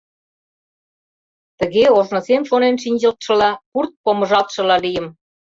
Тыге ожнысем шонен шинчылтшыла, пурт помыжалтшыла лийым.